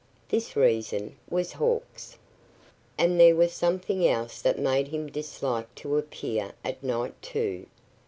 This reason was hawks! And there was something else that made him dislike to appear at night, too.